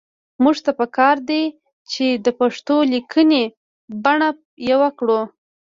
موږ ته پکار دي چې د پښتو لیکنۍ بڼه يوه کړو